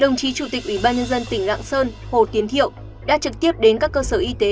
đồng chí chủ tịch ủy ban nhân dân tỉnh lạng sơn hồ tiến thiệu đã trực tiếp đến các cơ sở y tế